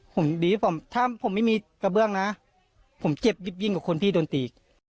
ผมดีผมถ้าผมไม่มีกระเบื้องนะผมเจ็บดิบยิ่งกว่าคนพี่โดนตี